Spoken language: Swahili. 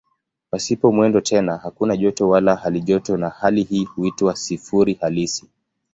Pasipo mwendo tena hakuna joto wala halijoto na hali hii huitwa "sifuri halisi".